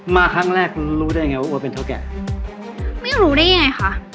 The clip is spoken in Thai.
มาครั้งแรกรู้ได้ไงว่าเป็นเท่าแก่ไม่รู้ได้ยังไงคะ